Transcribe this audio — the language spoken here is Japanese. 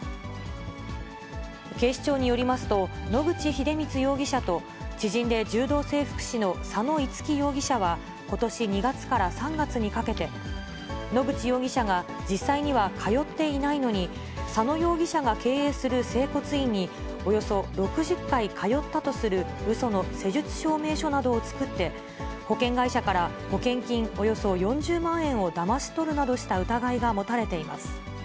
警視庁によりますと、野口英光容疑者と、知人で柔道整復師の佐野五来容疑者はことし２月から３月にかけて、野口容疑者が実際には通っていないのに、佐野容疑者が経営する整骨院に、およそ６０回通ったとするうその施術証明書などを作って、保険会社から保険金およそ４０万円をだまし取るなどした疑いが持たれています。